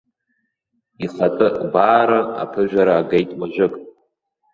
Ихатәы гәаара аԥыжәара агеит уажәык.